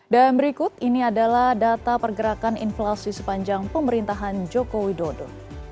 dan berikut ini adalah data pergerakan inflasi sepanjang pemerintahan joko widodo